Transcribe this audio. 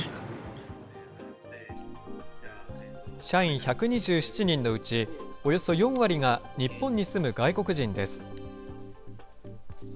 社員１２７人のうち、およそ４割が日本に住む外国人です。